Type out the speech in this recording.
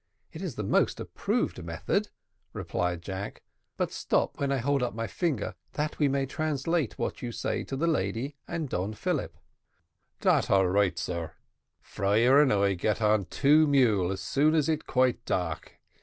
"It is the most approved method," replied Jack; "but stop when I hold up my finger, that we may translate what you say to the lady and Don Philip." "Dat all right, sar. Friar and I get on two mule as soon as it quite dark.